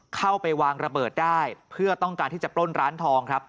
เข้าไปวางระเบิดได้เพื่อต้องการที่จะปล้นร้านทองครับ